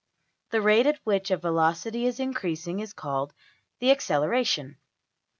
The rate at which a velocity is increasing is called the \emph{acceleration}.